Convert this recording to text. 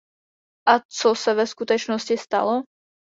A co se ve skutečnosti stalo?